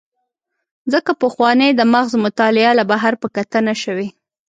ځکه پخوانۍ د مغز مطالعه له بهر په کتنه شوې.